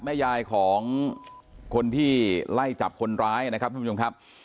แม่ยายของคนที่ไล่จับคนร้ายนะครับทุกผู้ชมครับ